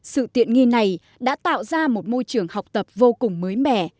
sự tiện nghi này đã tạo ra một môi trường học tập vô cùng mới mẻ